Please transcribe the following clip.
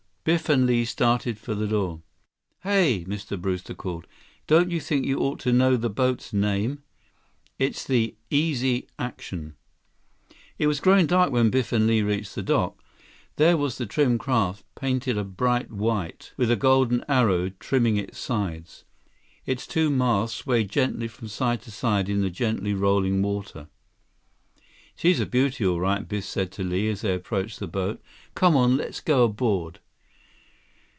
Biff and Li started for the door. "Hey!" Mr. Brewster called. "Don't you think you ought to know the boat's name? It's the Easy Action." It was growing dark when Biff and Li reached the dock. There was the trim craft, painted a bright white, with a golden arrow trimming its sides. Its two masts swayed gently from side to side in the gently rolling water. "She's a beauty, all right," Biff said to Li as they approached the boat. "Come on, let's go aboard."